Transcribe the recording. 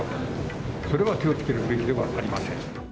それは手をつけるべきではありません。